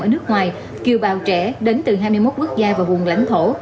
ở nước ngoài kiều bào trẻ đến từ hai mươi một quốc gia và vùng lãnh thổ